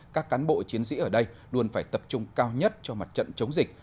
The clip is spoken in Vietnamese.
các cán bộ chiến sĩ ở đây luôn phải tập trung cao nhất cho mặt trận chống dịch